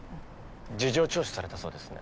事情聴取されたそうですね。